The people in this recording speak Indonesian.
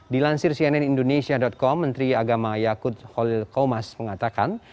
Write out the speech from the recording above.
dilansir cnn indonesia com menteri agama yakut holil komas mengatakan